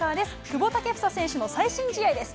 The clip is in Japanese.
久保建英選手の最新試合です。